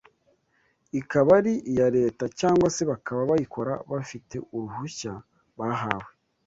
ikaba ari iya Leta cyangwa se bakaba bayikora bafite uruhushya bahawe